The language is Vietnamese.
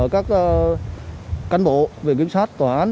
các cán bộ viện kiểm soát tòa án